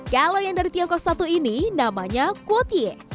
kalau yang dari tiongkok satu ini namanya kue tie